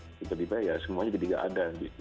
itu tiba tiba ya semuanya jadi gak ada